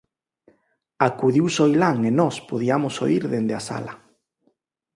Acudiu Soilán e nós podiamos oír dende a sala.